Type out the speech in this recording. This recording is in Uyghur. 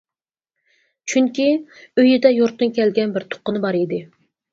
چۈنكى، ئۆيىدە يۇرتتىن كەلگەن بىر تۇغقىنى بار ئىدى.